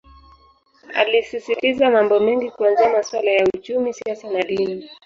Alisisitiza mambo mengi kuanzia masuala ya uchumi siasa na dini